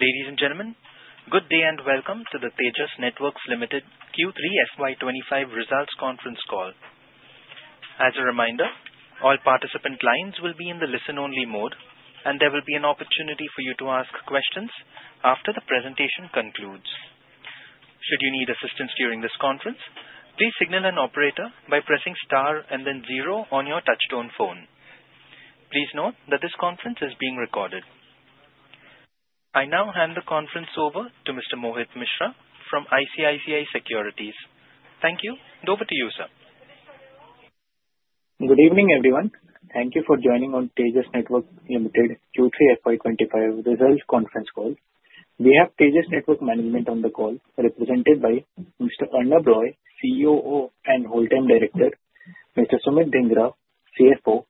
Ladies and gentlemen, good day and welcome to the Tejas Networks Limited Q3 FY2025 Results Conference Call. As a reminder, all participant lines will be in the listen-only mode, and there will be an opportunity for you to ask questions after the presentation concludes. Should you need assistance during this conference, please signal an operator by pressing star and then zero on your touch-tone phone. Please note that this conference is being recorded. I now hand the conference over to Mr. Mohit Mishra from ICICI Securities. Thank you, and over to you, sir. Good evening, everyone. Thank you for joining on Tejas Networks Limited Q3 FY2025 results conference call. We have Tejas Networks management on the call, represented by Mr. Arnab Roy, COO and Whole-Time Director, Mr. Sumit Dhingra, CFO,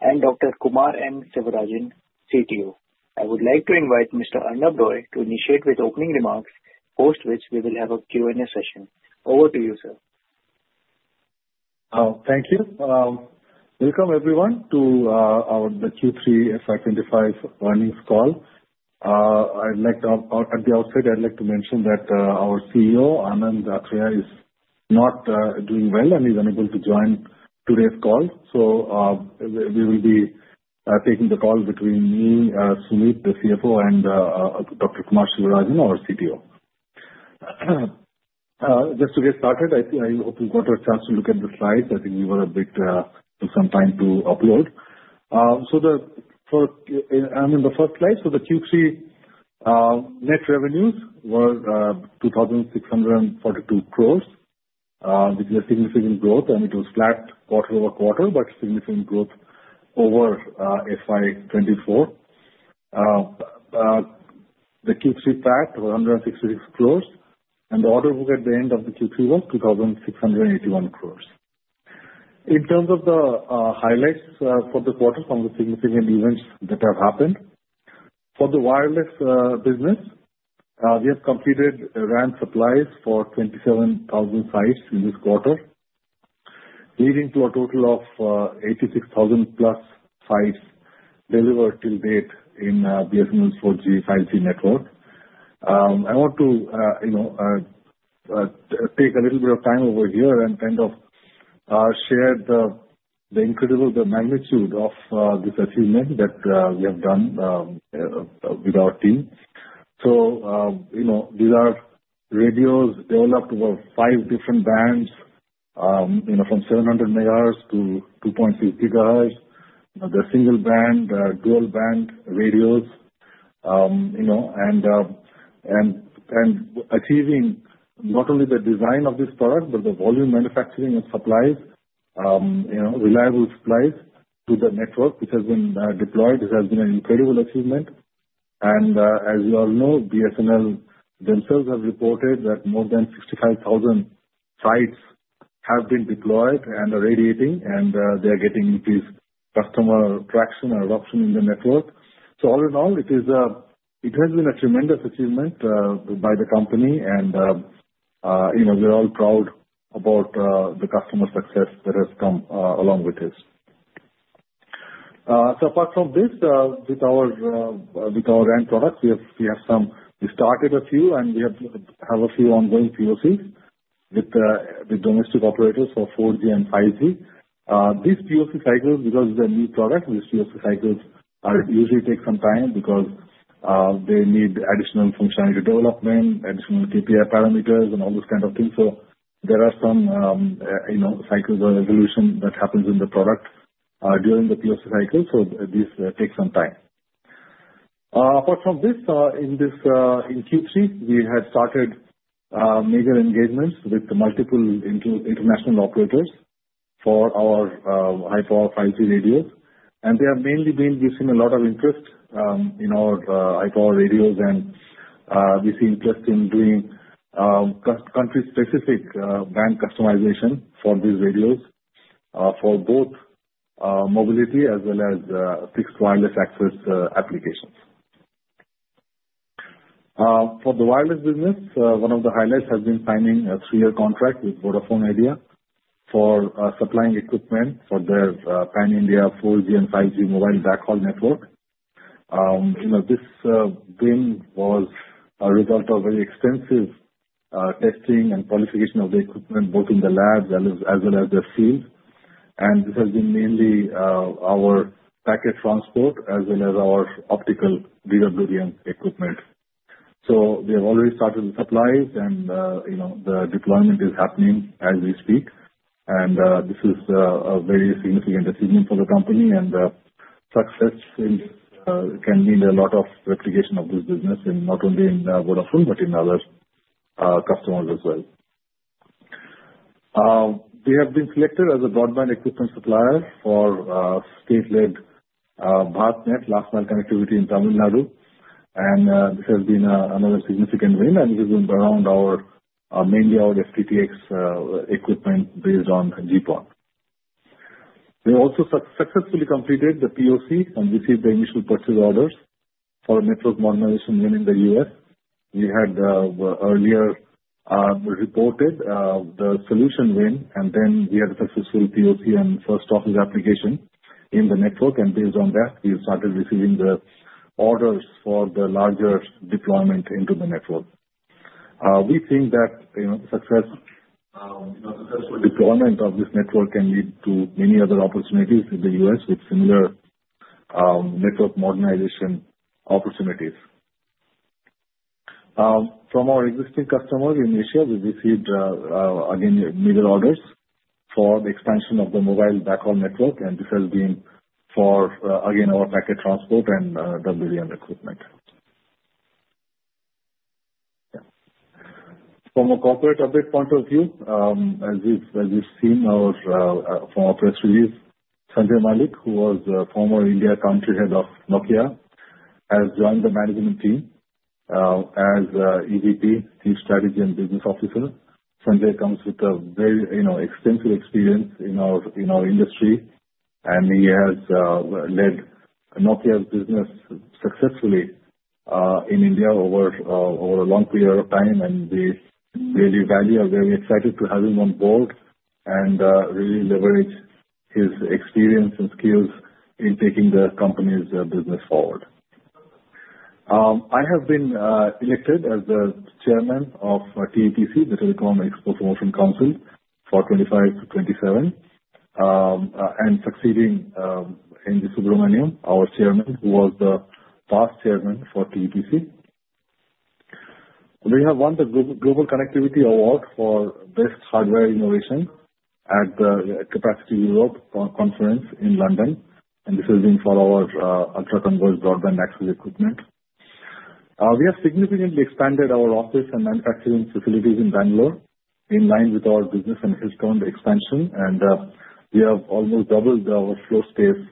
and Dr. Kumar N. Sivarajan, CTO. I would like to invite Mr. Arnab Roy to initiate with opening remarks, post which we will have a Q&A session. Over to you, sir. Thank you. Welcome, everyone, to the Q3 FY2025 earnings call. At the outset, I'd like to mention that our CEO, Anand Athreya, is not doing well and is unable to join today's call. We will be taking the call between me, Sumit, the CFO, and Dr. Kumar Sivarajan, our CTO. Just to get started, I hope you got a chance to look at the slides. I think we took some time to upload. I'm on the first slide. The Q3 net revenues were 2,642 crores, which is a significant growth, and it was flat quarter over quarter, but significant growth over FY2024. The Q3 PAT was 166 crores, and the order book at the end of the Q3 was 2,681 crores. In terms of the highlights for the quarter, some of the significant events that have happened. For the wireless business, we have completed RAN supplies for 27,000 sites in this quarter, leading to a total of 86,000-plus sites delivered to date in BSNL's 4G/5G network. I want to take a little bit of time over here and kind of share the incredible magnitude of this achievement that we have done with our team. So these are radios developed over five different bands, from 700 megahertz to 2.3 GHz. The single band, dual band radios, and achieving not only the design of this product, but the volume manufacturing of reliable supplies to the network, which has been deployed, has been an incredible achievement, and as you all know, BSNL themselves have reported that more than 65,000 sites have been deployed and are radiating, and they are getting increased customer traction and adoption in the network. So all in all, it has been a tremendous achievement by the company, and we're all proud about the customer success that has come along with this. So apart from this, with our RAN products, we have started a few, and we have a few ongoing POCs with domestic operators for 4G and 5G. These POC cycles, because they're new products, these POC cycles usually take some time because they need additional functionality development, additional KPI parameters, and all those kinds of things. So there are some cycles of evolution that happens in the product during the POC cycle, so these take some time. Apart from this, in Q3, we had started major engagements with multiple international operators for our high-power 5G radios, and they have mainly been receiving a lot of interest in our high-power radios, and we see interest in doing country-specific band customization for these radios for both mobility as well as fixed wireless access applications. For the wireless business, one of the highlights has been signing a three-year contract with Vodafone Idea for supplying equipment for their Pan-India 4G and 5G mobile backhaul network. This win was a result of very extensive testing and qualification of the equipment, both in the labs as well as the field, and this has been mainly our packet transport as well as our optical DWDM equipment. So we have already started the supplies, and the deployment is happening as we speak, and this is a very significant achievement for the company, and success can mean a lot of replication of this business, not only in Vodafone but in other customers as well. We have been selected as a broadband equipment supplier for state-led BharatNet, last-mile connectivity in Tamil Nadu, and this has been another significant win, and this has been around mainly our FTTX equipment based on GPON. We also successfully completed the POC and received the initial purchase orders for network modernization win in the U.S. We had earlier reported the solution win, and then we had a successful POC and first office application in the network, and based on that, we started receiving the orders for the larger deployment into the network. We think that successful deployment of this network can lead to many other opportunities in the U.S. with similar network modernization opportunities. From our existing customers in Asia, we've received, again, major orders for the expansion of the mobile backhaul network, and this has been for, again, our packet transport and WDM equipment. From a corporate update point of view, as we've seen from our press release, Sanjay Malik, who was a former India country head of Nokia, has joined the management team as EVP, Chief Strategy and Business Officer. Sanjay comes with extensive experience in our industry, and he has led Nokia's business successfully in India over a long period of time, and we really value and are very excited to have him on board and really leverage his experience and skills in taking the company's business forward. I have been elected as the chairman of TEPC, the Telecom Equipment and Services Export Promotion Council, for 2025-2027, and succeeding N. G. Subramaniam, our chairman, who was the past chairman for TEPC. We have won the Global Connectivity Award for Best Hardware Innovation at the Capacity Europe Conference in London, and this has been for our ultra-converged broadband access equipment. We have significantly expanded our office and manufacturing facilities in Bangalore in line with our business and headcount expansion, and we have almost doubled our floor space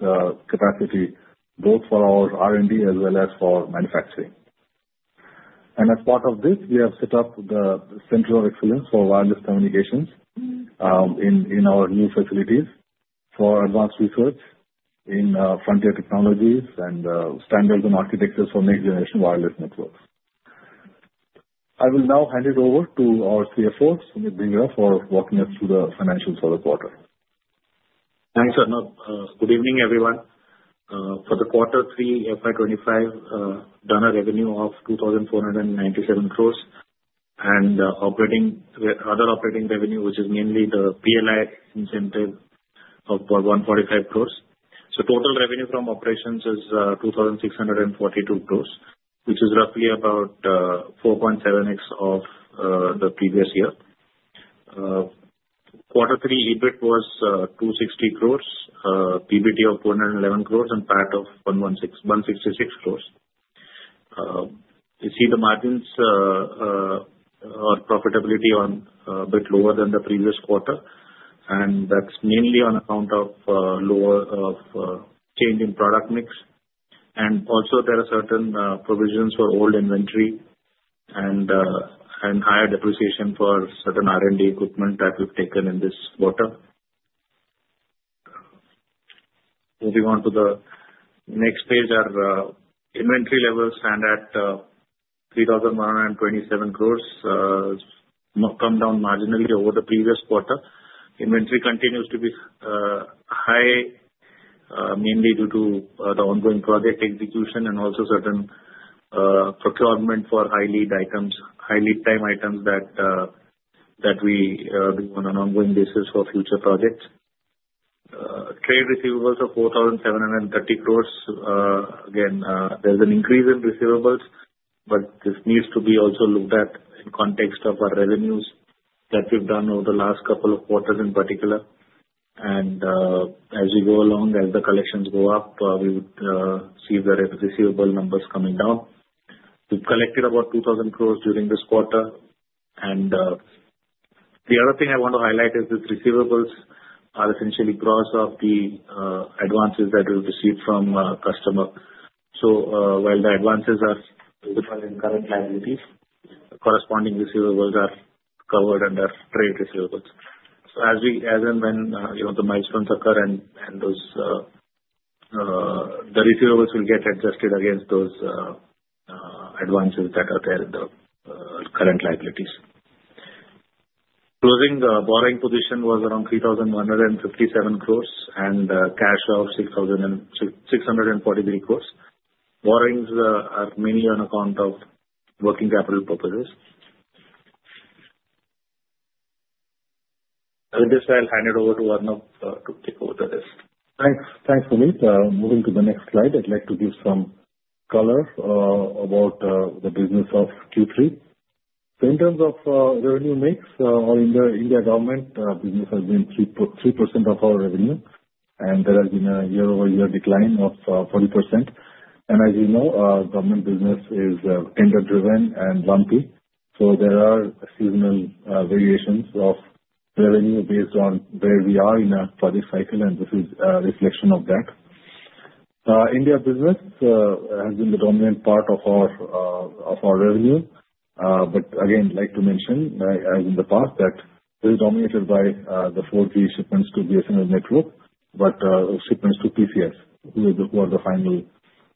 capacity, both for our R&D as well as for manufacturing. As part of this, we have set up the Center of Excellence for Wireless Communications in our new facilities for advanced research in frontier technologies and standards and architectures for next-generation wireless networks. I will now hand it over to our CFO, Sumit Dhingra, for walking us through the financials for the quarter. Thanks, Arnab. Good evening, everyone. For the quarter three FY2025, Net revenue of 2,497 crores, and other operating revenue, which is mainly the PLI incentive of 145 crores. So total revenue from operations is 2,642 crores, which is roughly about 4.7x of the previous year. Quarter three EBIT was 260 crores, PBT of 211 crores, and PAT of 166 crores. You see the margins or profitability are a bit lower than the previous quarter, and that's mainly on account of change in product mix, and also there are certain provisions for old inventory and higher depreciation for certain R&D equipment that we've taken in this quarter. Moving on to the next page, our inventory levels stand at 3,127 crores, come down marginally over the previous quarter. Inventory continues to be high, mainly due to the ongoing project execution and also certain procurement for high-lead items, high-lead time items that we do on an ongoing basis for future projects. Trade receivables of 4,730 crores. Again, there's an increase in receivables, but this needs to be also looked at in context of our revenues that we've done over the last couple of quarters in particular, and as we go along, as the collections go up, we would see the receivable numbers coming down. We've collected about 2,000 crores during this quarter, and the other thing I want to highlight is these receivables are essentially gross of the advances that we've received from customers. So while the advances are in current liabilities, corresponding receivables are covered under trade receivables. So as and when the milestones occur, the receivables will get adjusted against those advances that are there in the current liabilities. Closing borrowing position was around 3,157 crores and cash of 643 crores. Borrowings are mainly on account of working capital purposes. With this, I'll hand it over to Arnab to take over the rest. Thanks, Sumit. Moving to the next slide, I'd like to give some color about the business of Q3, so in terms of revenue mix, our India government business has been 3% of our revenue, and there has been a year-over-year decline of 40%, and as you know, government business is tender-driven and lumpy, so there are seasonal variations of revenue based on where we are in a project cycle, and this is a reflection of that. India business has been the dominant part of our revenue, but again, like to mention, as in the past, that was dominated by the 4G shipments to BSNL network, but shipments to TCS, who are the final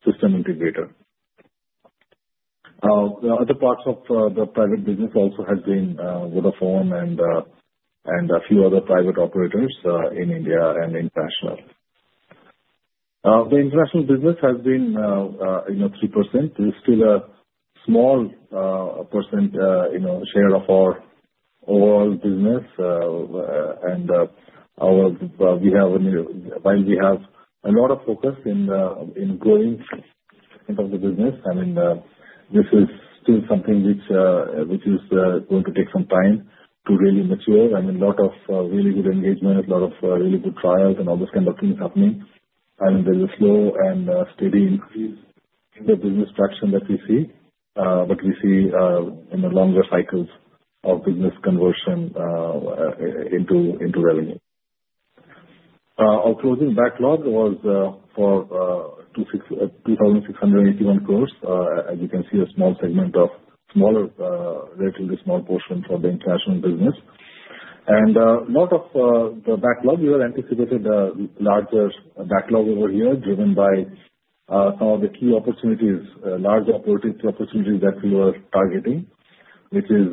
system integrator. The other parts of the private business also have been Vodafone and a few other private operators in India and international. The international business has been 3%. It's still a small percent share of our overall business, and while we have a lot of focus in growing the business, I mean, this is still something which is going to take some time to really mature. I mean, a lot of really good engagement, a lot of really good trials, and all those kinds of things happening. I mean, there's a slow and steady increase in the business traction that we see, but we see longer cycles of business conversion into revenue. Our closing backlog was for 2,681 crores. As you can see, a small segment of smaller relatively small portion for the international business. A lot of the backlog, we were anticipating a larger backlog over here driven by some of the key opportunities, large operating opportunities that we were targeting, which is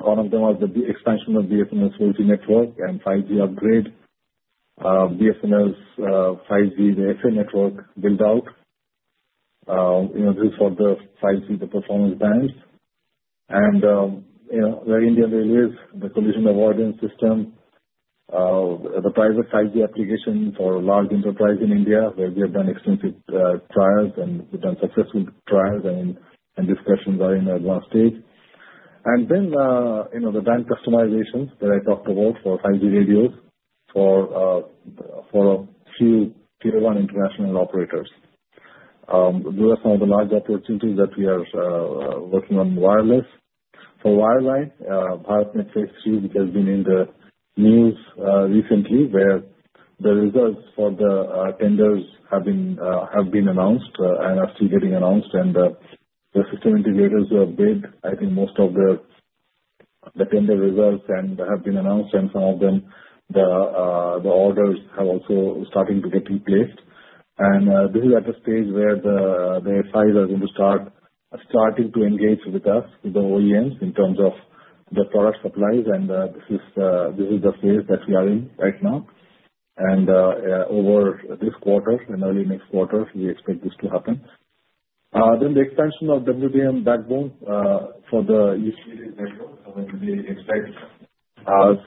one of them was the expansion of BSNL's 4G network and 5G upgrade, BSNL's 5G, the FWA network build-out. This is for the 5G, the performance bands, and the Indian Railways, the collision avoidance system, the private 5G application for large enterprise in India, where we have done extensive trials and we've done successful trials, and discussions are in advanced stage. And then the band customizations that I talked about for 5G radios for a few tier-one international operators. Those are some of the large opportunities that we are working on wireless. For wireline, BharatNet Phase 3, which has been in the news recently, where the results for the tenders have been announced and are still getting announced, and the system integrators have bid, I think most of the tender results have been announced, and some of them, the orders have also started to get in place. And this is at a stage where the SIs are going to start starting to engage with us, with the OEMs, in terms of the product supplies, and this is the phase that we are in right now. And over this quarter and early next quarter, we expect this to happen. Then the expansion of WDM backbone for the utility network, we expect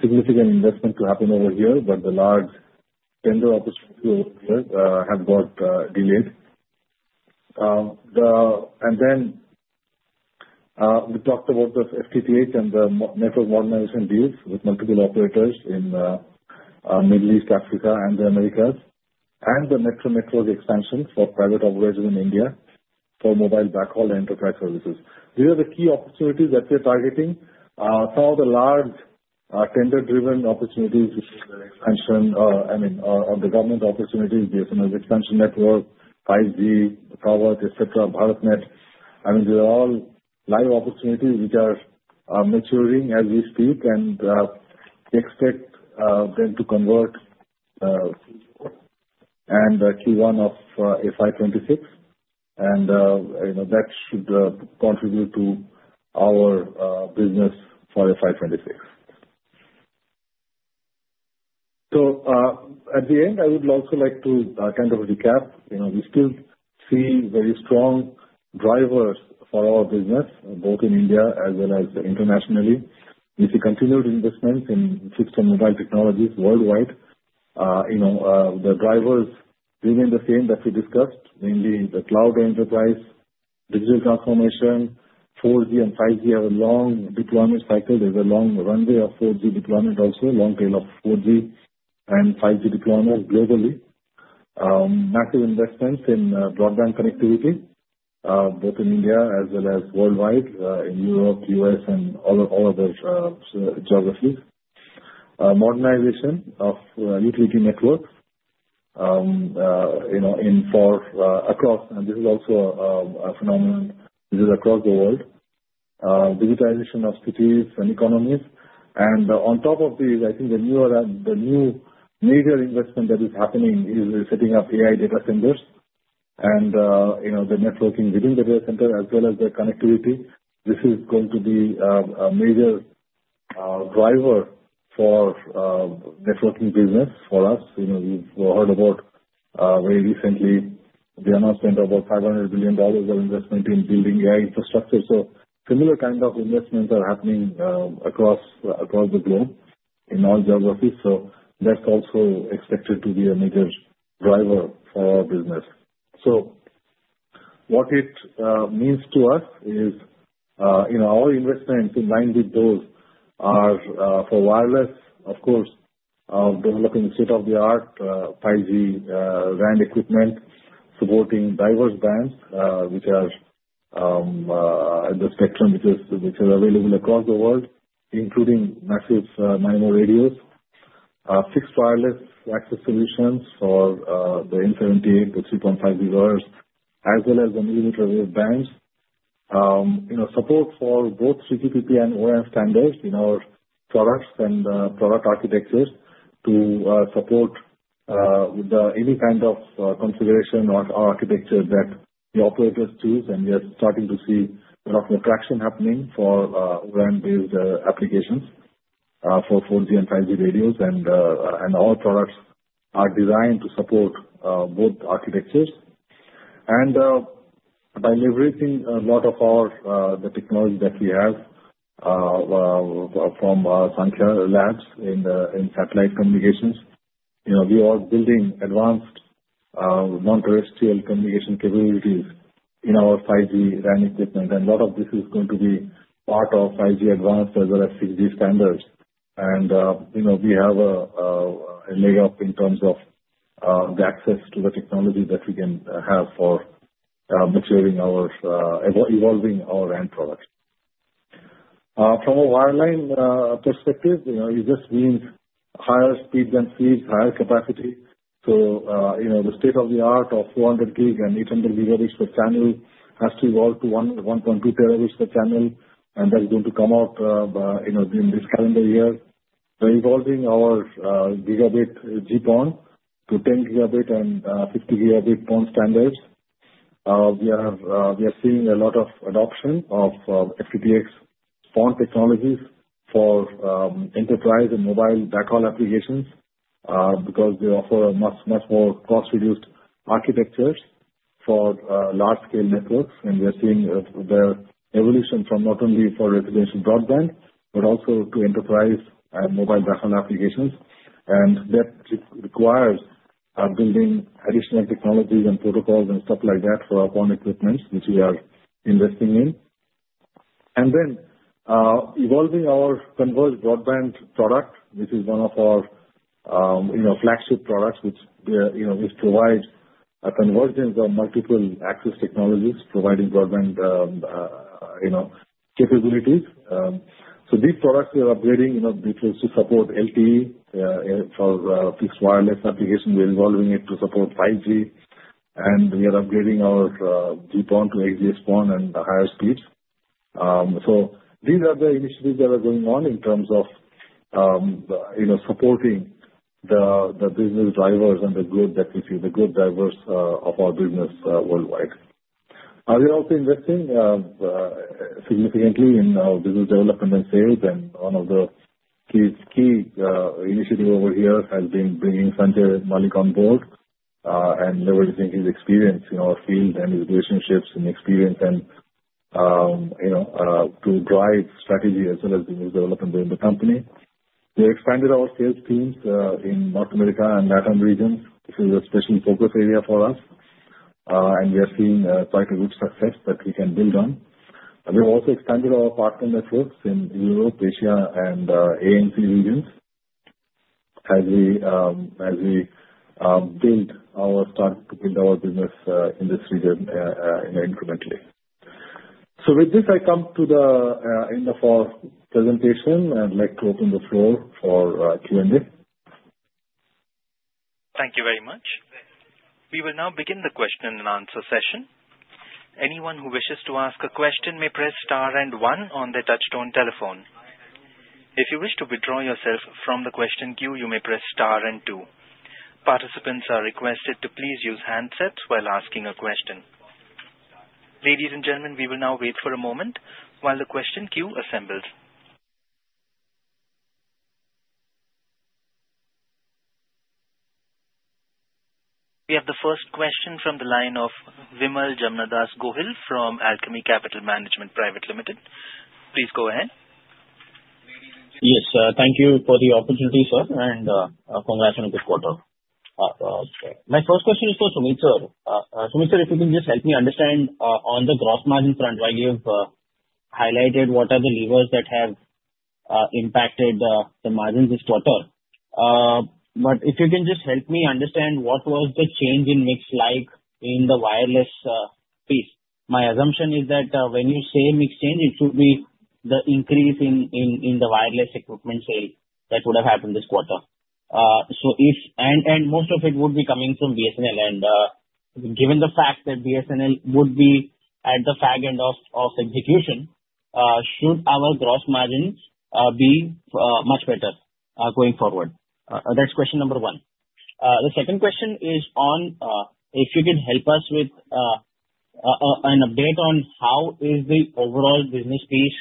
significant investment to happen over here, but the large tender opportunity over here has got delayed. Then we talked about the FTTH and the network modernization deals with multiple operators in the Middle East, Africa, and the Americas, and the metro network expansion for private operators in India for mobile backhaul and enterprise services. These are the key opportunities that we are targeting. Some of the large tender-driven opportunities which are the expansion, I mean, of the government opportunities, BSNL's expansion network, 5G, Tower, etc., BharatNet. I mean, these are all live opportunities which are maturing as we speak, and we expect them to convert and Q1 of FY2026, and that should contribute to our business for FY2026. At the end, I would also like to kind of recap. We still see very strong drivers for our business, both in India as well as internationally. We see continued investments in 5G mobile technologies worldwide. The drivers remain the same that we discussed, mainly the cloud enterprise, digital transformation. 4G and 5G have a long deployment cycle. There's a long runway of 4G deployment also, long tail of 4G and 5G deployment globally. Massive investments in broadband connectivity, both in India as well as worldwide, in Europe, U.S., and all other geographies. Modernization of utility networks across, and this is also a phenomenon across the world. Digitization of cities and economies. And on top of these, I think the new major investment that is happening is setting up AI data centers and the networking within the data center as well as the connectivity. This is going to be a major driver for networking business for us. We've heard about very recently the announcement of about $500 billion of investment in building AI infrastructure. Similar kinds of investments are happening across the globe in all geographies, so that's also expected to be a major driver for our business. What it means to us is our investments in line with those are for wireless, of course, developing state-of-the-art 5G RAN equipment supporting diverse bands which are at the spectrum which is available across the world, including Massive MIMO radios, fixed wireless access solutions for the N78, the 3.5 GHz, as well as the millimeter wave bands. Support for both 3GPP and O-RAN standards in our products and product architectures to support with any kind of configuration or architecture that the operators choose, and we are starting to see a lot more traction happening for RAN-based applications for 4G and 5G radios, and all products are designed to support both architectures. By leveraging a lot of the technology that we have from Saankhya Labs in satellite communications, we are building advanced non-terrestrial communication capabilities in our 5G RAN equipment, and a lot of this is going to be part of 5G Advanced as well as 6G standards. We have a leg up in terms of the access to the technology that we can have for maturing and evolving our end products. From a wireline perspective, this means higher speeds, higher capacity. The state-of-the-art of 400 gig and 800 Gbps per channel has to evolve to 1.2 terabits per channel, and that's going to come out in this calendar year. We are evolving our gigabit GPON to 10 Gb and 50 Gb PON standards. We are seeing a lot of adoption of FTTX PON technologies for enterprise and mobile backhaul applications because they offer a much more cost-reduced architecture for large-scale networks, and we are seeing the evolution from not only for residential broadband but also to enterprise and mobile backhaul applications. And that requires building additional technologies and protocols and stuff like that for our PON equipment, which we are investing in. And then evolving our converged broadband product, which is one of our flagship products, which provides a convergence of multiple access technologies, providing broadband capabilities. So these products we are upgrading to support LTE for fixed wireless applications. We're evolving it to support 5G, and we are upgrading our GPON to XGS-PON and higher speeds. So these are the initiatives that are going on in terms of supporting the business drivers and the growth that we see, the growth drivers of our business worldwide. We are also investing significantly in our business development and sales, and one of the key initiatives over here has been bringing Sanjay Malik on board and leveraging his experience in our field and his relationships and experience to drive strategy as well as business development within the company. We expanded our sales teams in North America and Latin America. This is a special focus area for us, and we are seeing quite a good success that we can build on. We have also expanded our partner networks in Europe, Asia, and ANZ regions as we build our business in this region incrementally. So with this, I come to the end of our presentation and I'd like to open the floor for Q&A. Thank you very much. We will now begin the question and answer session. Anyone who wishes to ask a question may press star and one on the touch-tone telephone. If you wish to withdraw yourself from the question queue, you may press star and two. Participants are requested to please use handsets while asking a question. Ladies and gentlemen, we will now wait for a moment while the question queue assembles. We have the first question from the line of Vimal Jamnadas Gohil from Alchemy Capital Management Private Limited. Please go ahead. Yes, thank you for the opportunity, sir, and congrats on a good quarter. My first question is for Sumit sir. Sumit sir, if you can just help me understand on the gross margin front, while you've highlighted what are the levers that have impacted the margins this quarter. But if you can just help me understand what was the change in mix like in the wireless piece. My assumption is that when you say mix change, it should be the increase in the wireless equipment sale that would have happened this quarter. And most of it would be coming from BSNL. And given the fact that BSNL would be at the fag end of execution, should our gross margins be much better going forward? That's question number one. The second question is on if you can help us with an update on how is the overall business pace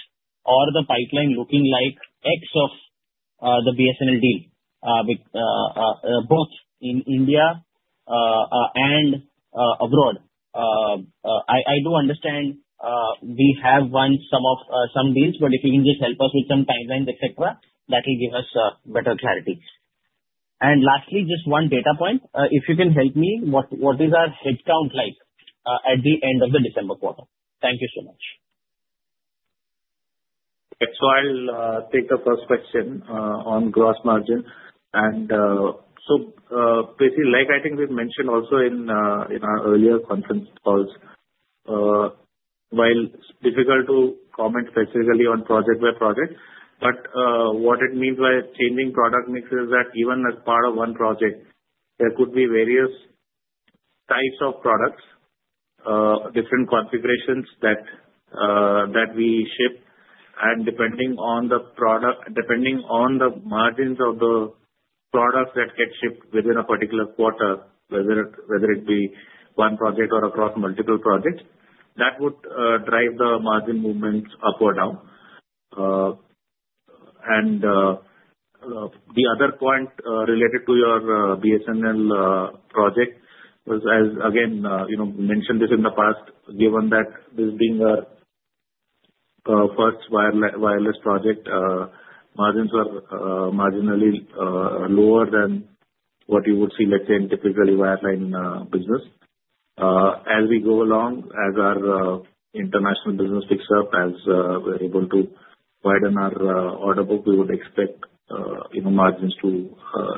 or the pipeline looking like as of the BSNL deal, both in India and abroad? I do understand we have won some deals, but if you can just help us with some timelines, etc., that will give us better clarity, and lastly, just one data point. If you can help me, what is our headcount like at the end of the December quarter? Thank you so much. I'll take the first question on gross margin. Basically, like I think we've mentioned also in our earlier conference calls, while it's difficult to comment specifically on project by project, but what it means by changing product mix is that even as part of one project, there could be various types of products, different configurations that we ship. Depending on the margins of the products that get shipped within a particular quarter, whether it be one project or across multiple projects, that would drive the margin movements up or down. The other point related to your BSNL project was, as again mentioned in the past, given that this being our first wireless project, margins are marginally lower than what you would see, let's say, in typically wireline business. As we go along, as our international business picks up, as we're able to widen our order book, we would expect margins to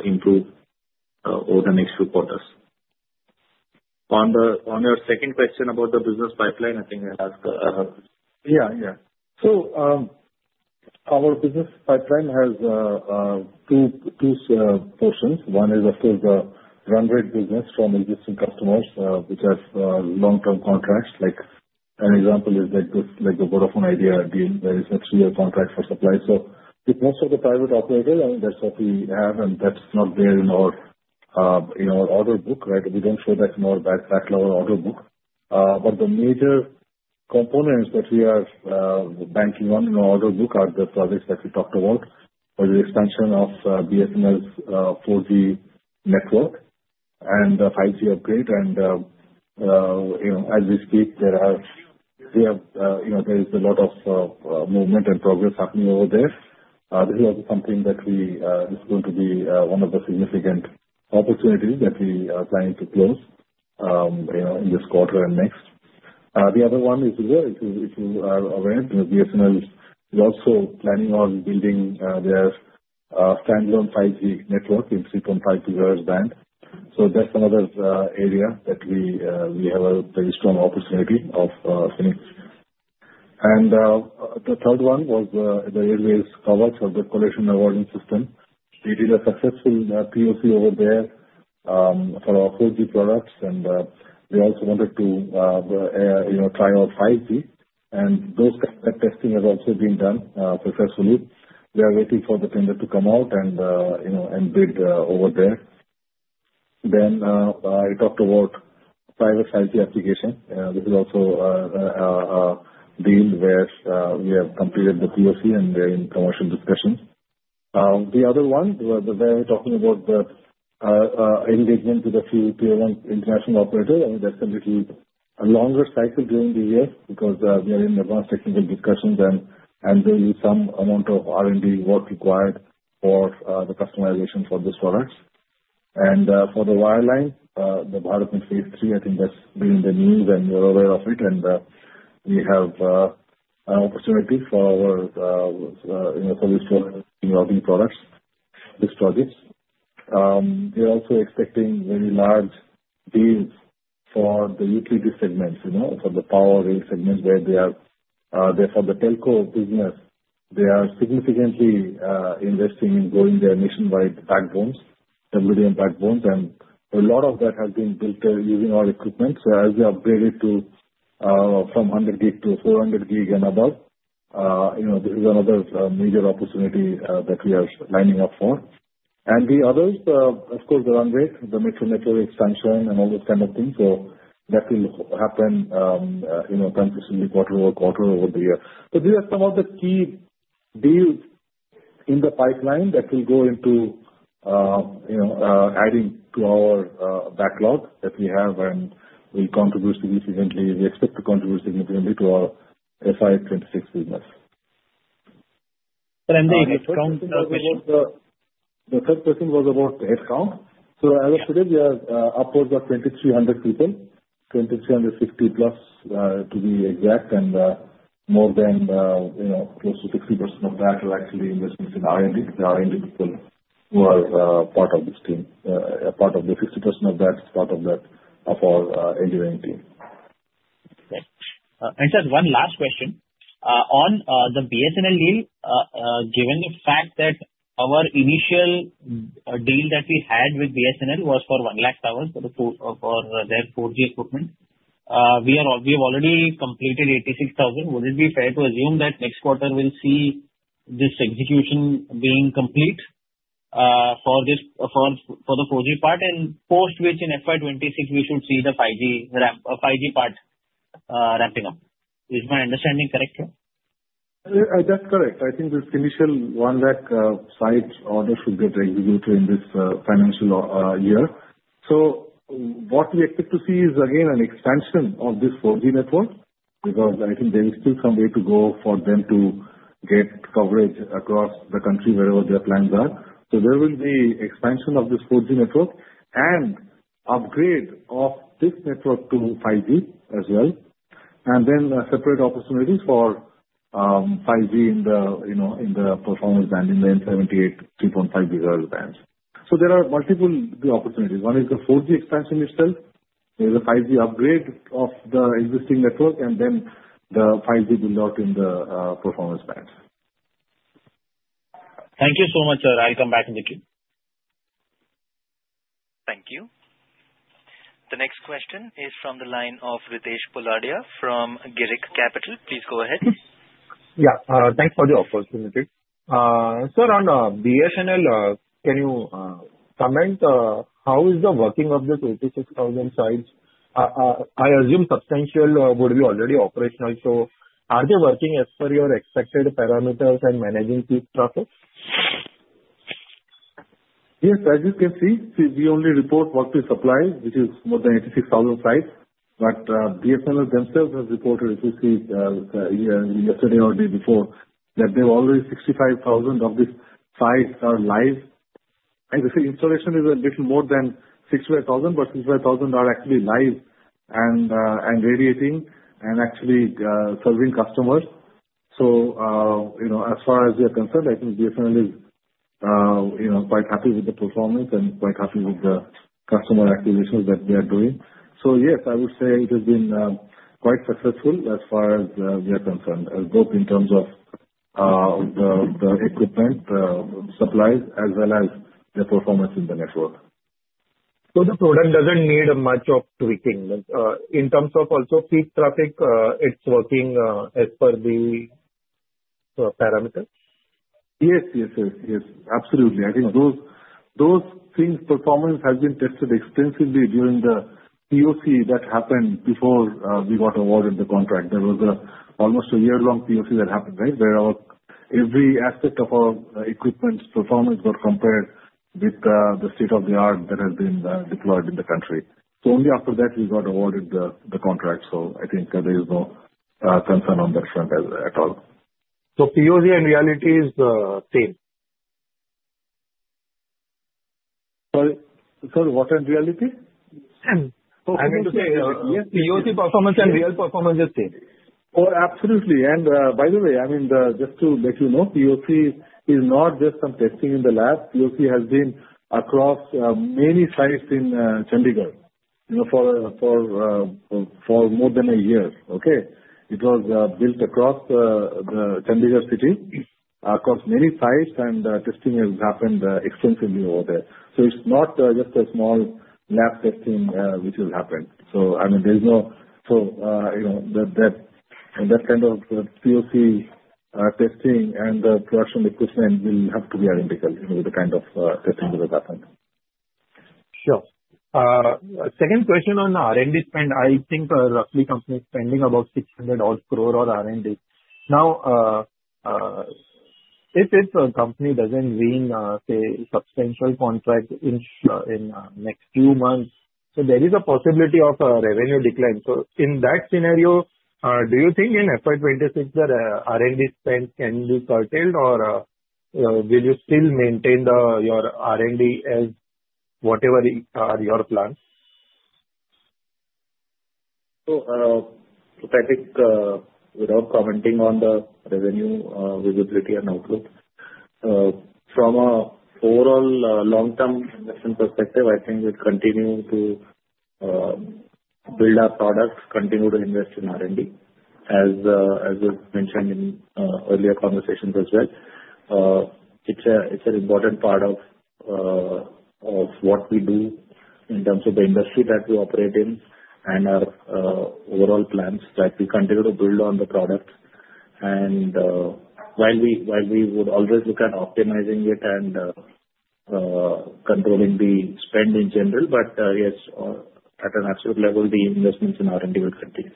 improve over the next few quarters. On your second question about the business pipeline, I think I asked. Yeah, yeah. So our business pipeline has two portions. One is, of course, the run rate business from existing customers which have long-term contracts. An example is like the Vodafone Idea deal. There is a three-year contract for supply. So with most of the private operators, I mean, that's what we have, and that's not there in our order book, right? We don't show that in our backlog order book, but the major components that we are banking on in our order book are the projects that we talked about for the expansion of BSNL's 4G network and the 5G upgrade, and as we speak, there is a lot of movement and progress happening over there. This is also something that is going to be one of the significant opportunities that we are planning to close in this quarter and next. The other one is, if you are aware, BSNL is also planning on building their standalone 5G network in 3.5 GHz band. So that's another area that we have a very strong opportunity of seeing. The third one was the Indian Railways coverage of the collision avoidance system. We did a successful POC over there for our 4G products, and we also wanted to try our 5G. And those kinds of testing have also been done successfully. We are waiting for the tender to come out and bid over there. Then I talked about private 5G application. This is also a deal where we have completed the POC, and we are in commercial discussions. The other one, we're talking about the engagement with a few international operators. I mean, that's a little longer cycle during the year because we are in advanced technical discussions, and there will be some amount of R&D work required for the customization for these products, and for the wireline, the BharatNet Phase 3, I think that's been in the news, and you're aware of it, and we have opportunities for our server and storage products, these projects. We're also expecting very large deals for the utility segments, for the power rail segments where they are. For the telco business, they are significantly investing in growing their nationwide backbones, WDM backbones, and a lot of that has been built using our equipment. So as we upgraded from 100 gig to 400 gig and above, this is another major opportunity that we are lining up for, and the others, of course, the run rate, the mixed network expansion, and all those kinds of things. So that will happen consistently quarter over quarter over the year. So these are some of the key deals in the pipeline that will go into adding to our backlog that we have, and we'll contribute significantly. We expect to contribute significantly to our FY2026 business. And the headcount? The third question was about the headcount, so as of today, we are upwards of 2,300 people, 2,350 plus to be exact, and more than close to 60% of that are actually investments in R&D. The R&D people who are part of this team, part of the 60% of that is part of the engineering team. Okay. And just one last question. On the BSNL deal, given the fact that our initial deal that we had with BSNL was for 1,000,000 for their 4G equipment, we have already completed 86,000. Would it be fair to assume that next quarter we'll see this execution being complete for the 4G part, and post which in FY2026, we should see the 5G part wrapping up? Is my understanding correct here? That's correct. I think this initial 1,000,000 site order should get executed in this financial year. So what we expect to see is, again, an expansion of this 4G network because I think there is still some way to go for them to get coverage across the country wherever their plans are. So there will be expansion of this 4G network and upgrade of this network to 5G as well, and then separate opportunities for 5G in the performance band, in the N78 3.5 GHz bands. So there are multiple opportunities. One is the 4G expansion itself, the 5G upgrade of the existing network, and then the 5G build-out in the performance bands. Thank you so much, sir. I'll come back in the queue. Thank you. The next question is from the line of Ritesh Poladia from Girik Capital. Please go ahead. Yeah. Thanks for the opportunity. Sir, on BSNL, can you comment how is the working of this 86,000 sites? I assume substantial would be already operational. So are they working as per your expected parameters and managing these processes? Yes. As you can see, we only report what we supply, which is more than 86,000 sites. But BSNL themselves have reported, as you see yesterday or the day before, that they've already 65,000 of these sites are live. I would say installation is a little more than 65,000, but 65,000 are actually live and radiating and actually serving customers. So as far as we are concerned, I think BSNL is quite happy with the performance and quite happy with the customer activations that we are doing. So yes, I would say it has been quite successful as far as we are concerned, both in terms of the equipment, the supplies, as well as the performance in the network. So the product doesn't need much of tweaking. In terms of also peak traffic, it's working as per the parameters? Yes, yes, yes, yes. Absolutely. I think those things, performance has been tested extensively during the POC that happened before we got awarded the contract. There was almost a year-long POC that happened, right, where every aspect of our equipment's performance got compared with the state of the art that has been deployed in the country. So only after that we got awarded the contract. So I think there is no concern on that front at all. POC and reality is the same? Sorry? Sorry, what and reality? I mean to say, yes, POC performance and real performance is the same. Oh, absolutely. By the way, I mean, just to let you know, POC is not just some testing in the lab. POC has been across many sites in Chandigarh for more than a year, okay? It was built across Chandigarh City, across many sites, and testing has happened extensively over there. It's not just a small lab testing which has happened. I mean, there is no doubt that kind of POC testing and the production equipment will have to be identical with the kind of testing that has happened. Sure. A second question on R&D spend. I think roughly companies spending about 600-odd crore on R&D. Now, if a company doesn't win, say, substantial contract in the next few months, so there is a possibility of revenue decline. So in that scenario, do you think in FY2026 that R&D spend can be curtailed, or will you still maintain your R&D as whatever are your plans? So I think without commenting on the revenue visibility and outlook, from an overall long-term investment perspective, I think we'll continue to build our products, continue to invest in R&D, as was mentioned in earlier conversations as well. It's an important part of what we do in terms of the industry that we operate in and our overall plans that we continue to build on the product. And while we would always look at optimizing it and controlling the spend in general, but yes, at an absolute level, the investments in R&D will continue.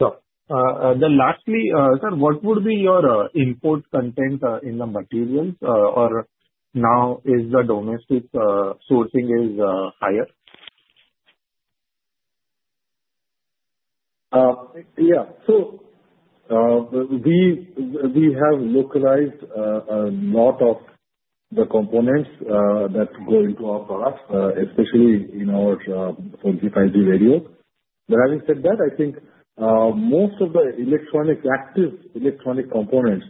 Sure. And then lastly, sir, what would be your input content in the materials? Or now is the domestic sourcing higher? Yeah. So we have localized a lot of the components that go into our products, especially in our 4G, 5G radios. But having said that, I think most of the active electronic components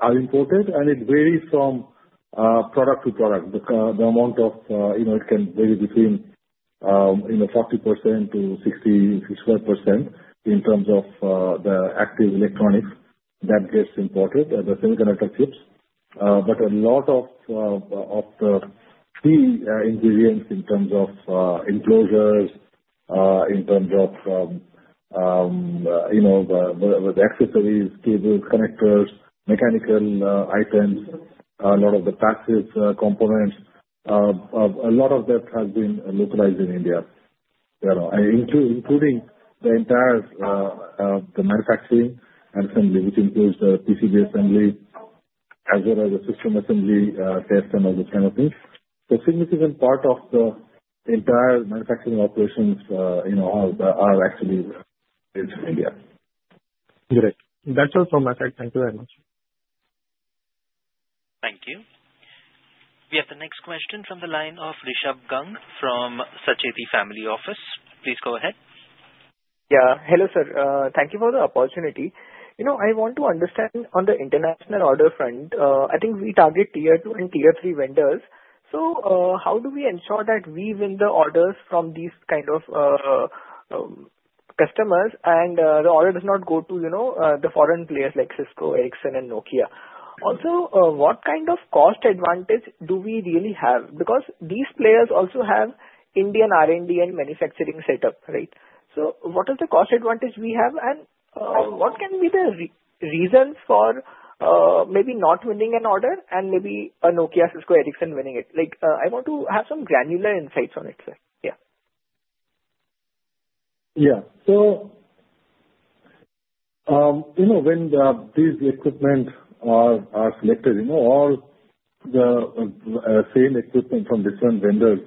are imported, and it varies from product to product. The amount of it can vary between 40% to 60-65% in terms of the active electronics that gets imported, the semiconductor chips. But a lot of the key ingredients in terms of enclosures, in terms of the accessories, cables, connectors, mechanical items, a lot of the passive components, a lot of that has been localized in India, including the entire manufacturing and assembly, which includes the PCB assembly as well as the system assembly test and all those kinds of things. So a significant part of the entire manufacturing operations are actually based in India. Great. That's all from my side. Thank you very much. Thank you. We have the next question from the line of Rishabh Gang from Sancheti Family Office. Please go ahead. Yeah. Hello, sir. Thank you for the opportunity. I want to understand on the international order front. I think we target tier two and tier three vendors. So how do we ensure that we win the orders from these kinds of customers and the order does not go to the foreign players like Cisco, Ericsson, and Nokia? Also, what kind of cost advantage do we really have? Because these players also have Indian R&D and manufacturing setup, right? So what is the cost advantage we have, and what can be the reasons for maybe not winning an order and maybe a Nokia, Cisco, Ericsson winning it? I want to have some granular insights on it, sir. Yeah. Yeah. So when these equipment are selected, all the same equipment from different vendors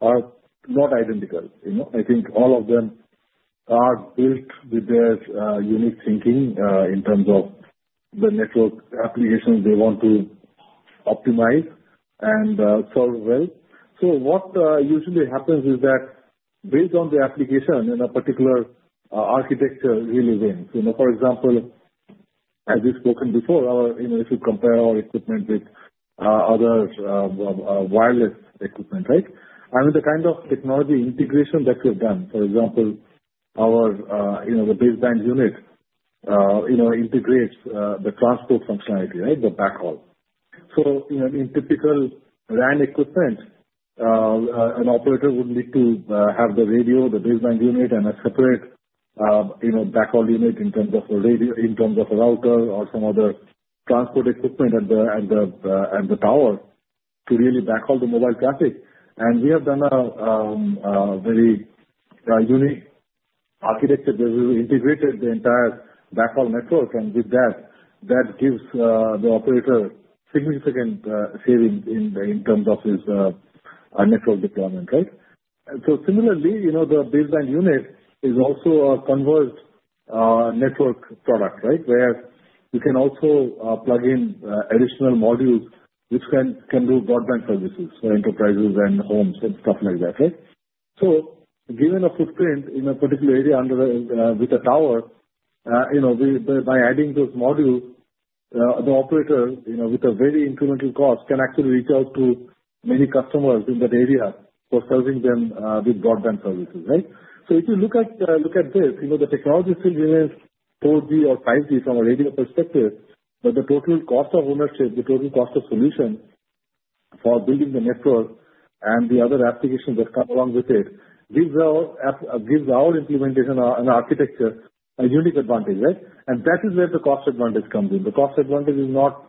are not identical. I think all of them are built with their unique thinking in terms of the network applications they want to optimize and serve well. So what usually happens is that based on the application and a particular architecture really wins. For example, as we've spoken before, if you compare our equipment with other wireless equipment, right, I mean, the kind of technology integration that we've done, for example, our baseband unit integrates the transport functionality, right, the backhaul. So in typical RAN equipment, an operator would need to have the radio, the baseband unit, and a separate backhaul unit in terms of a router or some other transport equipment and the power to really backhaul the mobile traffic. And we have done a very unique architecture where we've integrated the entire backhaul network, and with that, that gives the operator significant savings in terms of his network deployment, right? And so similarly, the baseband unit is also a converged network product, right, where you can also plug in additional modules which can do broadband services for enterprises and homes and stuff like that, right? So given a footprint in a particular area with a tower, by adding those modules, the operator, with a very incremental cost, can actually reach out to many customers in that area for serving them with broadband services, right? So if you look at this, the technology still remains 4G or 5G from a radio perspective, but the total cost of ownership, the total cost of solution for building the network and the other applications that come along with it gives our implementation and architecture a unique advantage, right? And that is where the cost advantage comes in. The cost advantage is not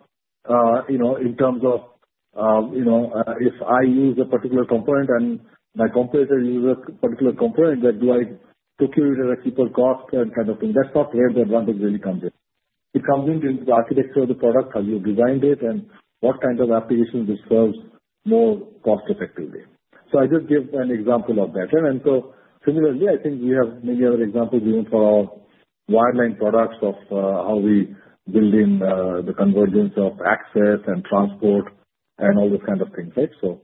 in terms of if I use a particular component and my competitor uses a particular component, then do I procure it at a cheaper cost and kind of thing. That's not where the advantage really comes in. It comes into the architecture of the product, how you've designed it, and what kind of application which serves more cost-effectively. So I just gave an example of that. And so similarly, I think we have many other examples even for our wireline products of how we build in the convergence of access and transport and all those kinds of things, right? So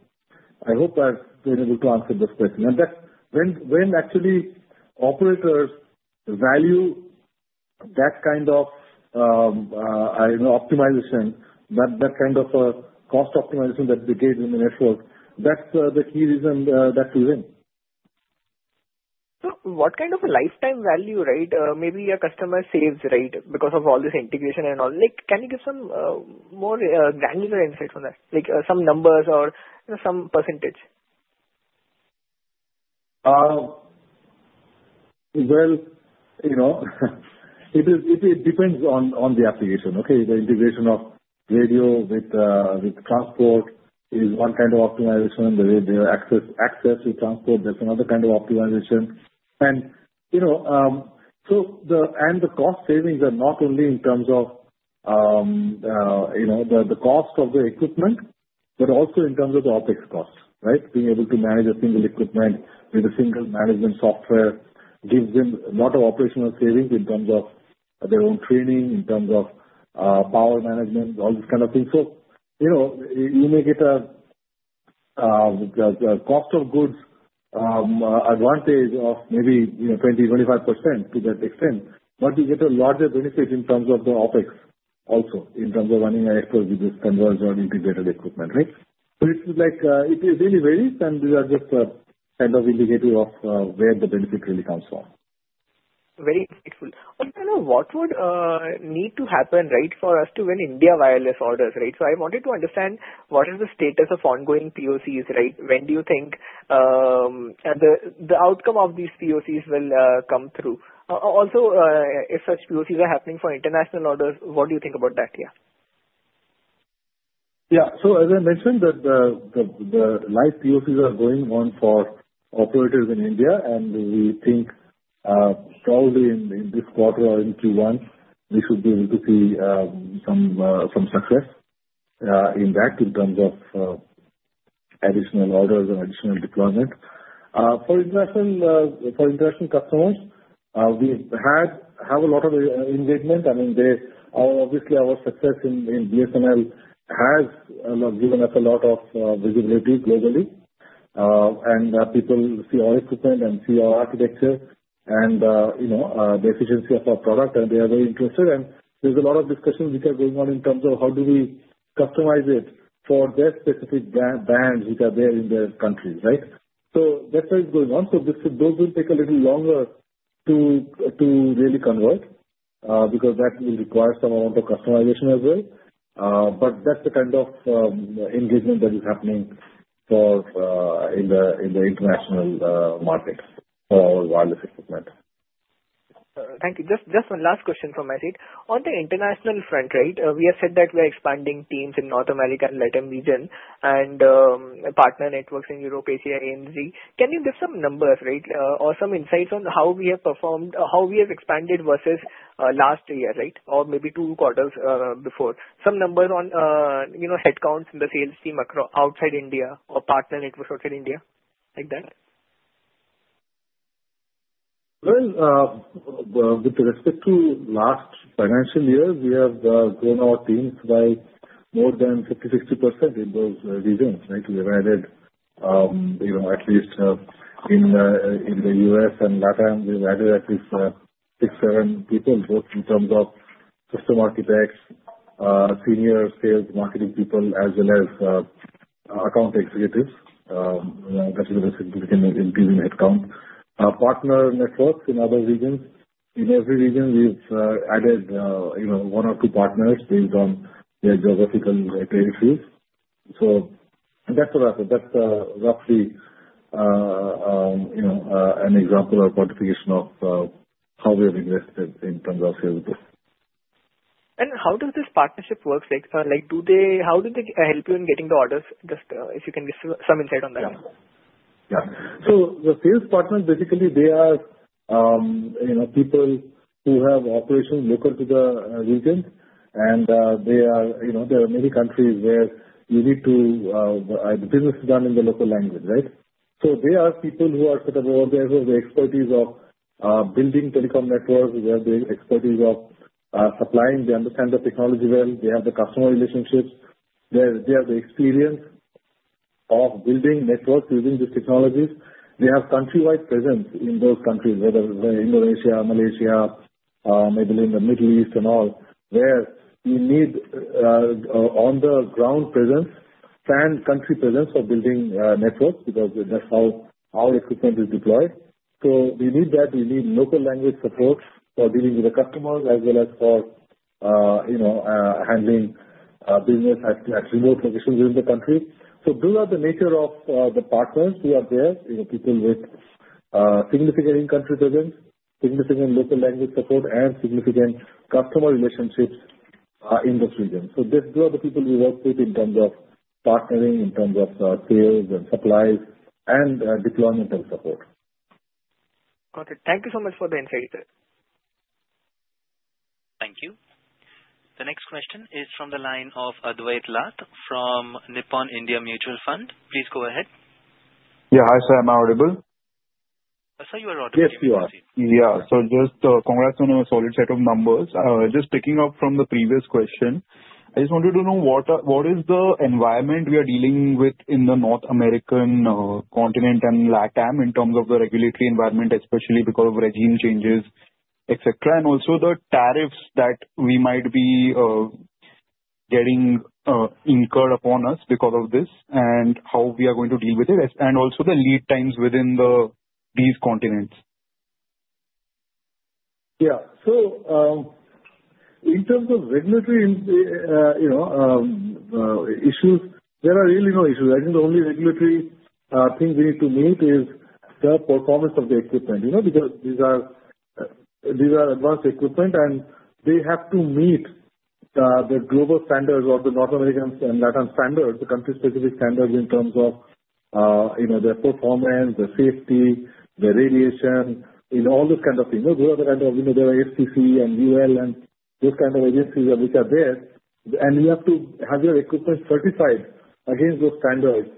I hope I've been able to answer this question. And when actually operators value that kind of optimization, that kind of cost optimization that they get in the network, that's the key reason that we win. So what kind of a lifetime value, right, maybe a customer saves, right, because of all this integration and all? Can you give some more granular insights on that, like some numbers or some percentage? It depends on the application, okay? The integration of radio with transport is one kind of optimization. The radio access to transport, that's another kind of optimization. And so the cost savings are not only in terms of the cost of the equipment, but also in terms of the OpEx cost, right? Being able to manage a single equipment with a single management software gives them a lot of operational savings in terms of their own training, in terms of power management, all those kinds of things. So you may get a cost of goods advantage of maybe 20%-25% to that extent, but you get a larger benefit in terms of the OpEx also in terms of running an OpEx with this converged or integrated equipment, right? So it really varies, and these are just kind of indicative of where the benefit really comes from. Very insightful. What would need to happen, right, for us to win India wireless orders, right? So I wanted to understand what is the status of ongoing POCs, right? When do you think the outcome of these POCs will come through? Also, if such POCs are happening for international orders, what do you think about that? Yeah. Yeah. So as I mentioned, the live POCs are going on for operators in India, and we think probably in this quarter or in Q1, we should be able to see some success in that in terms of additional orders and additional deployment. For international customers, we have a lot of engagement. I mean, obviously, our success in BSNL has given us a lot of visibility globally, and people see our equipment and see our architecture and the efficiency of our product, and they are very interested. And there's a lot of discussions which are going on in terms of how do we customize it for their specific bands which are there in their countries, right? So that's how it's going on. So those will take a little longer to really convert because that will require some amount of customization as well. But that's the kind of engagement that is happening in the international market for our wireless equipment. Thank you. Just one last question from my side. On the international front, right, we have said that we are expanding teams in North America and Latin America and partner networks in Europe, Asia, ANZ. Can you give some numbers, right, or some insights on how we have performed, how we have expanded versus last year, right, or maybe two quarters before? Some numbers on headcounts in the sales team outside India or partner networks outside India, like that? With respect to last financial year, we have grown our teams by more than 50%-60%. It was reasons, right? We have added at least in the U.S. and LatAm, we've added at least six, seven people, both in terms of system architects, senior sales marketing people, as well as account executives. That's been a significant increase in headcount. Partner networks in other regions. In every region, we've added one or two partners based on their geographical territories. So that's roughly an example or quantification of how we have invested in terms of sales growth. How does this partnership work, sir? How do they help you in getting the orders? Just if you can give some insight on that. Yeah. So the sales partners, basically, they are people who have operations local to the region, and there are many countries where you need to have the business done in the local language, right? So they are people who are sort of the experts of building telecom networks, where they have the expertise of supplying. They understand the technology well. They have the customer relationships. They have the experience of building networks using these technologies. They have countrywide presence in those countries, whether it's Indonesia, Malaysia, maybe in the Middle East and all, where you need on-the-ground presence and country presence for building networks because that's how our equipment is deployed. So we need that. We need local language support for dealing with the customers as well as for handling business at remote locations within the country. So those are the nature of the partners who are there, people with significant country presence, significant local language support, and significant customer relationships in those regions. So those are the people we work with in terms of partnering, in terms of sales and supplies and deployment of support. Got it. Thank you so much for the insight, sir. Thank you. The next question is from the line of Advait Lath from Nippon India Mutual Fund. Please go ahead. Yeah. Hi, sir. Am I audible? Sir, you are audible. Yes, you are. Yeah. So just congrats on a solid set of numbers. Just picking up from the previous question, I just wanted to know what is the environment we are dealing with in the North American continent and LatAm in terms of the regulatory environment, especially because of regime changes, etc., and also the tariffs that we might be getting incurred upon us because of this and how we are going to deal with it, and also the lead times within these continents. Yeah. So in terms of regulatory issues, there are really no issues. I think the only regulatory thing we need to meet is the performance of the equipment because these are advanced equipment, and they have to meet the global standards or the North American and LatAm standards, the country-specific standards in terms of their performance, their safety, their radiation, all those kinds of things. Those are the kinds. There are FCC and UL and those kinds of agencies which are there, and you have to have your equipment certified against those standards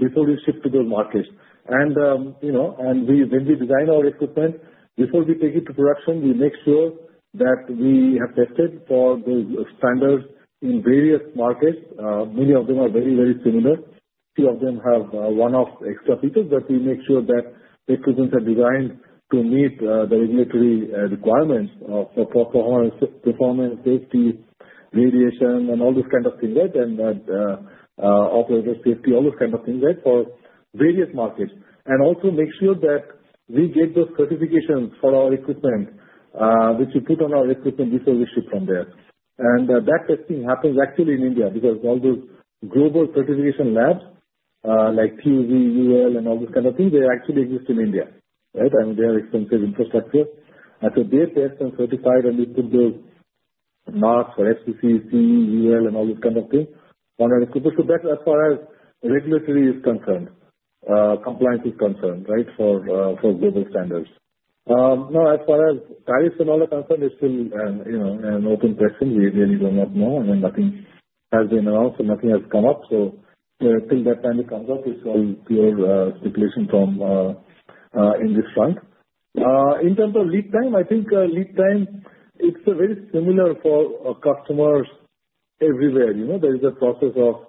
before you ship to those markets. And when we design our equipment, before we take it to production, we make sure that we have tested for those standards in various markets. Many of them are very, very similar. Few of them have one-off extra features, but we make sure that the equipments are designed to meet the regulatory requirements for performance, safety, radiation, and all those kinds of things, right, and operator safety, all those kinds of things, right, for various markets. And also make sure that we get those certifications for our equipment which we put on our equipment before we ship from there. And that testing happens actually in India because all those global certification labs like TUV, UL, and all those kinds of things, they actually exist in India, right? I mean, they have extensive infrastructure. And so they test and certify, and we put those marks for FCC, TUV, UL, and all those kinds of things on our equipment. So that's as far as regulatory is concerned, compliance is concerned, right, for global standards. Now, as far as tariffs and all that concerned, it's still an open question. We really do not know. I mean, nothing has been announced and nothing has come up. So I think that when it comes up, it's all pure speculation in this front. In terms of lead time, I think lead time, it's very similar for customers everywhere. There is a process of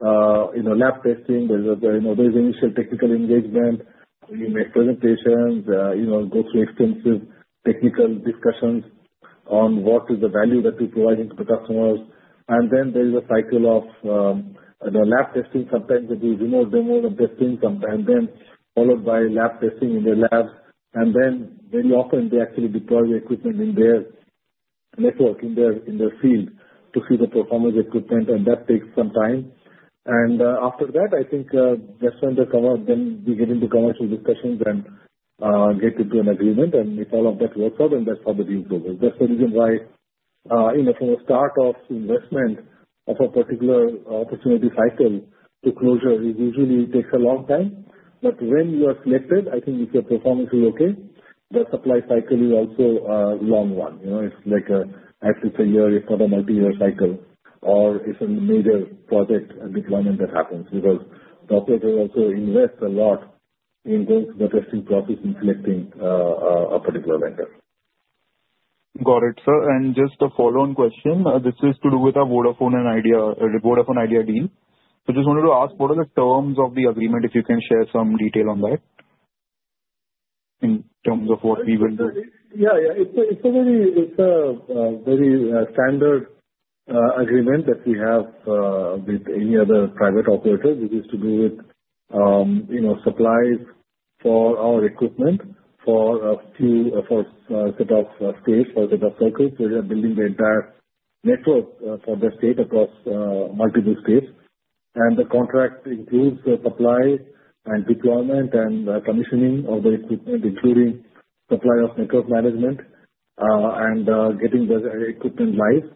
lab testing. There's initial technical engagement. You make presentations, go through extensive technical discussions on what is the value that you're providing to the customers. And then there is a cycle of lab testing. Sometimes it is remote demos and testing, and then followed by lab testing in their labs. And then very often, they actually deploy the equipment in their network, in their field, to see the performance of the equipment, and that takes some time. And after that, I think just when they come up, then we get into commercial discussions and get into an agreement. And if all of that works out, then that's how the deal goes. That's the reason why from the start of investment of a particular opportunity cycle to closure, it usually takes a long time. But when you are selected, I think if your performance is okay, the supply cycle is also a long one. It's like at least a year, if not a multi-year cycle, or it's a major project and deployment that happens because the operator also invests a lot in both the testing process and selecting a particular vendor. Got it, sir. And just a follow-on question. This is to do with a Vodafone Idea deal. So just wanted to ask, what are the terms of the agreement, if you can share some detail on that in terms of what we will do? Yeah. Yeah. It's a very standard agreement that we have with any other private operator. This is to do with supplies for our equipment for a set of states, for a set of circuits. We are building the entire network for the state across multiple states. And the contract includes the supply and deployment and commissioning of the equipment, including supply of network management and getting the equipment live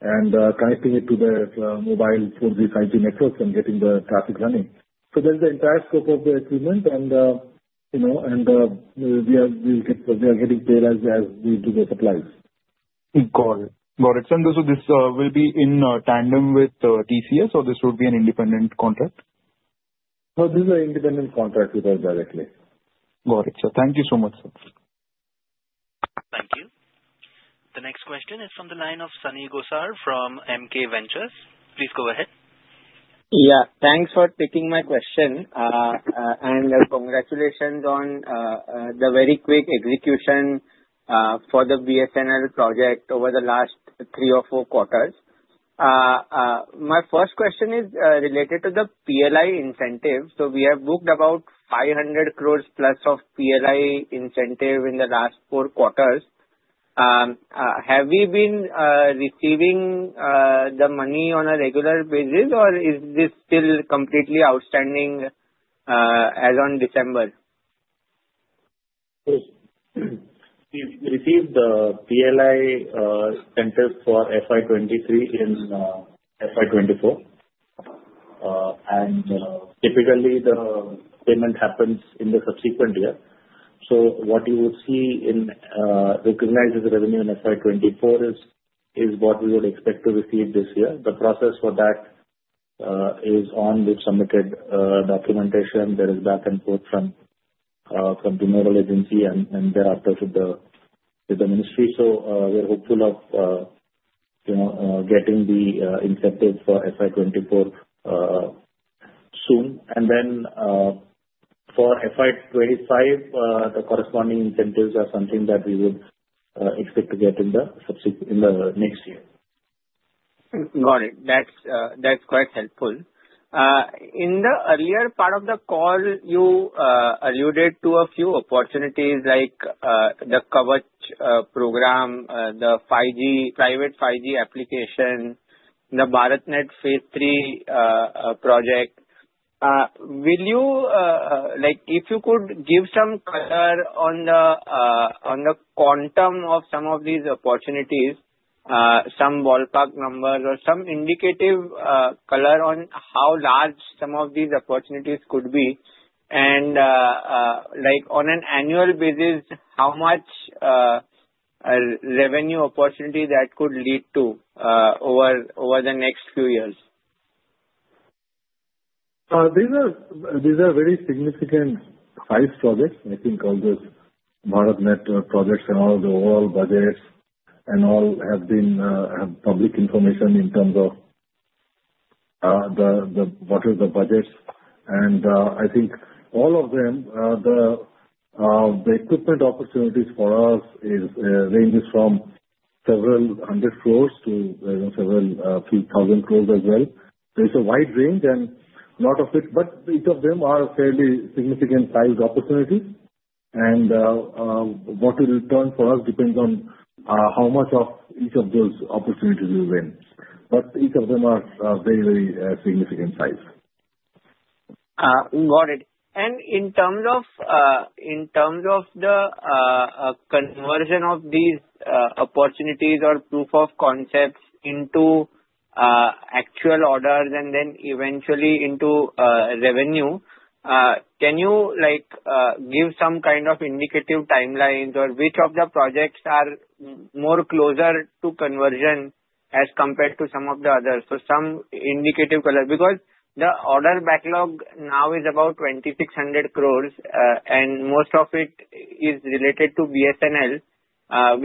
and connecting it to the mobile 4G, 5G networks and getting the traffic running. So that's the entire scope of the equipment, and we are getting paid as we do the supplies. Got it. Got it. And this will be in tandem with TCS, or this would be an independent contract? No, this is an independent contract with us directly. Got it. So, thank you so much, sir. Thank you. The next question is from the line of Sunny Gosar from MK Ventures. Please go ahead. Yeah. Thanks for taking my question. Congratulations on the very quick execution for the BSNL project over the last three or four quarters. My first question is related to the PLI incentive. We have booked about 500 crores plus of PLI incentive in the last four quarters. Have we been receiving the money on a regular basis, or is this still completely outstanding as of December? We've received the PLI incentive for FY2023 and FY2024, and typically, the payment happens in the subsequent year, so what you would see recognized as revenue in FY2024 is what we would expect to receive this year. The process for that is on with submitted documentation. There is back and forth from the government agency and thereafter to the ministry, so we're hopeful of getting the incentive for FY2024 soon, and then for FY2025, the corresponding incentives are something that we would expect to get in the next year. Got it. That's quite helpful. In the earlier part of the call, you alluded to a few opportunities like the Kavach program, the private 5G application, the BharatNet Phase 3 project. If you could give some color on the quantum of some of these opportunities, some ballpark numbers or some indicative color on how large some of these opportunities could be, and on an annual basis, how much revenue opportunity that could lead to over the next few years? These are very significant size projects. I think all those BharatNet projects and all the overall budgets and all have public information in terms of what are the budgets. I think all of them, the equipment opportunities for us ranges from several hundred crores to several thousand crores as well. There's a wide range, and a lot of it, but each of them are fairly significant sized opportunities. What will return for us depends on how much of each of those opportunities we win. Each of them are very, very significant size. Got it. And in terms of the conversion of these opportunities or proof of concepts into actual orders and then eventually into revenue, can you give some kind of indicative timelines or which of the projects are more closer to conversion as compared to some of the others? So some indicative color because the order backlog now is about 2,600 crores, and most of it is related to BSNL,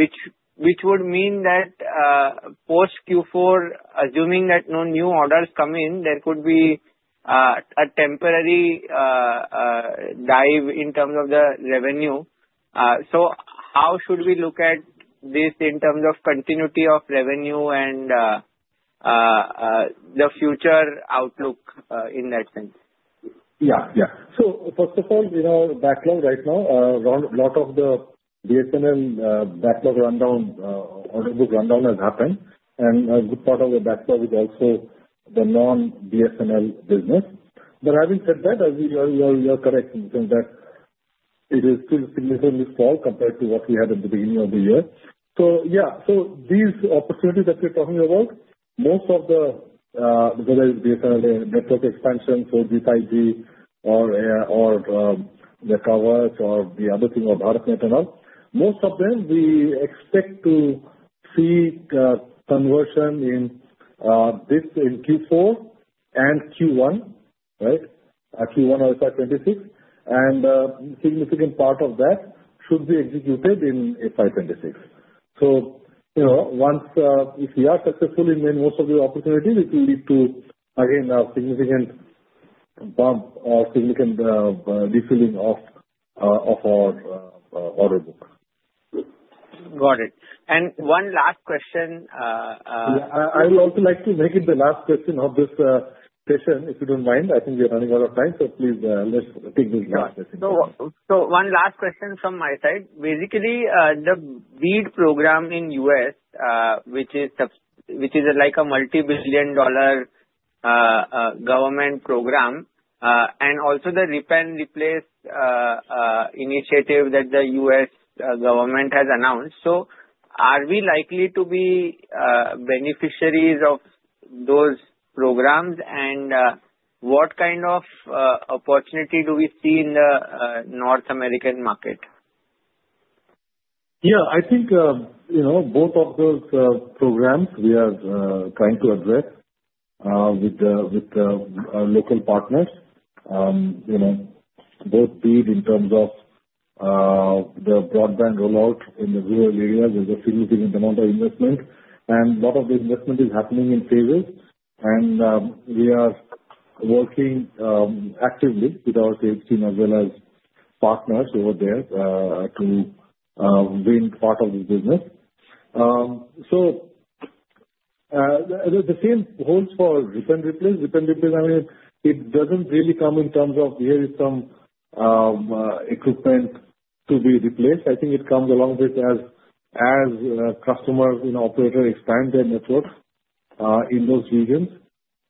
which would mean that post Q4, assuming that no new orders come in, there could be a temporary dive in terms of the revenue. So how should we look at this in terms of continuity of revenue and the future outlook in that sense? Yeah. Yeah. So first of all, backlog right now, a lot of the BSNL backlog rundown, order book rundown has happened. And a good part of the backlog is also the non-BSNL business. But having said that, you're correct in the sense that it is still significantly small compared to what we had at the beginning of the year. So yeah. So these opportunities that we're talking about, most of the whether it's BSNL network expansion, 4G, 5G, or the Kavach or the other thing or BharatNet and all, most of them, we expect to see conversion in Q4 and Q1, right, Q1 or FY2026. And a significant part of that should be executed in FY2026. So if we are successful in most of the opportunities, it will lead to, again, a significant bump or significant refilling of our order books. Got it. And one last question. Yeah. I would also like to make it the last question of this session, if you don't mind. I think we're running out of time, so please let's take this last question. Yeah. So one last question from my side. Basically, the BEAD program in the U.S., which is like a multi-billion-dollar government program, and also the Rip and Replace initiative that the U.S. government has announced, so are we likely to be beneficiaries of those programs, and what kind of opportunity do we see in the North American market? Yeah. I think both of those programs we are trying to address with our local partners, both BEAD in terms of the broadband rollout in the rural areas. There's a significant amount of investment, and a lot of the investment is happening in phases. And we are working actively with our sales team as well as partners over there to win part of the business. So the same holds for Rip and Replace. Rip and Replace, I mean, it doesn't really come in terms of, "Here is some equipment to be replaced." I think it comes along with as customers and operators expand their networks in those regions.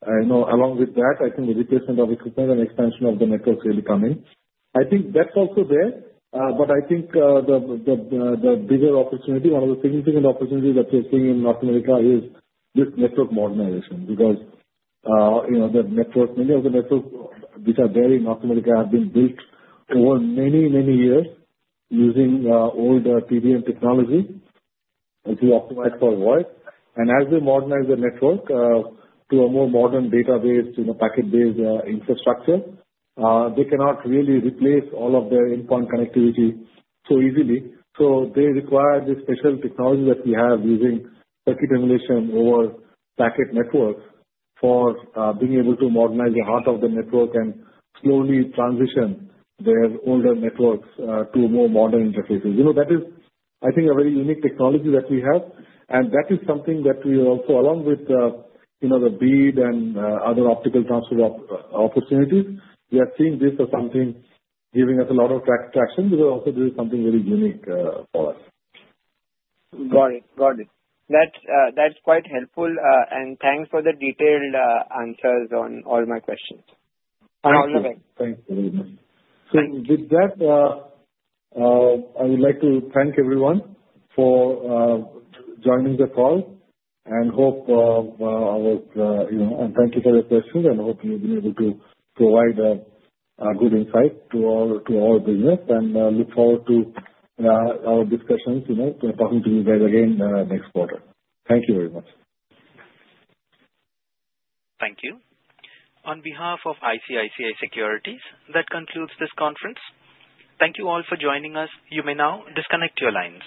Along with that, I think the replacement of equipment and expansion of the network is really coming. I think that's also there. But I think the bigger opportunity, one of the significant opportunities that we're seeing in North America is this network modernization because many of the networks which are there in North America have been built over many, many years using old TDM technology to optimize for voice. And as they modernize the network to a more modern IP-based, packet-based infrastructure, they cannot really replace all of the endpoint connectivity so easily. So they require the special technology that we have using circuit emulation over packet networks for being able to modernize the heart of the network and slowly transition their older networks to more modern interfaces. That is, I think, a very unique technology that we have. That is something that we are also, along with the BEAD and other optical transport opportunities, we are seeing this as something giving us a lot of traction because also this is something very unique for us. Got it. Got it. That's quite helpful. And thanks for the detailed answers on all my questions. All the best. Thanks very much. So with that, I would like to thank everyone for joining the call and hope I was and thank you for your questions. And I hope you've been able to provide good insight to our business. And look forward to our discussions, talking to you guys again next quarter. Thank you very much. Thank you. On behalf of ICICI Securities, that concludes this conference. Thank you all for joining us. You may now disconnect your lines.